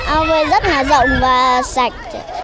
ao bơi rất là rộng và sạch